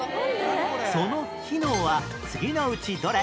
その機能は次のうちどれ？